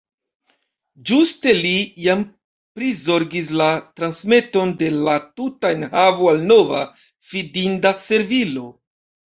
Ĝuste li jam prizorgis la transmeton de la tuta enhavo al nova, findinda servilo.